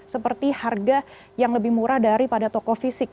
seperti harga yang lebih murah daripada toko fisik